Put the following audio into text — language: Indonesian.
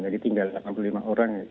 jadi tinggal delapan puluh lima orang